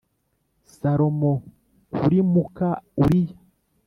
Salomo kuri muka Uriya